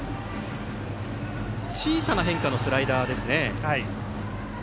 小さな変化のスライダーでした。